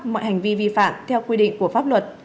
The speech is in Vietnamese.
mọi hành vi vi phạm theo quy định của pháp luật